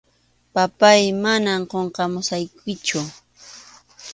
Papáy, manam qunqamusaykichu.